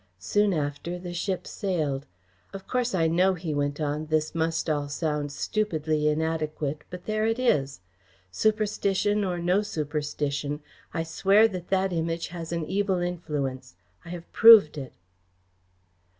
Soon after the ship sailed. Of course I know," he went on, "this must all sound stupidly inadequate, but there it is. Superstition or no superstition, I swear that that Image has an evil influence. I have proved it."